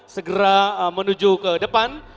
segera menuju ke depan